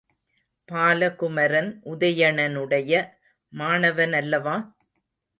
Balakumaran, உதயணனுடைய மாணவனல்லவா?